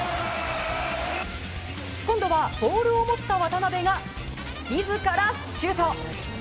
今度はボールを持った渡邊が自らシュート。